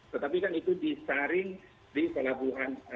tetapi kan itu disaring di pelabuhan